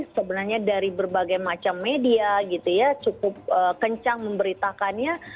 sebenarnya dari berbagai macam media gitu ya cukup kencang memberitakannya